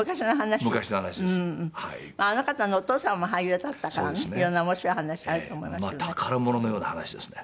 あの方のお父さんも俳優だったからね色んな面白い話あると思いますよね。